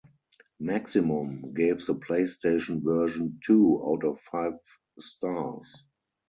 "Maximum" gave the PlayStation version two out of five stars.